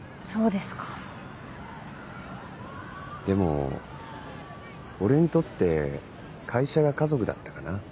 でも俺にとって会社が家族だったかな。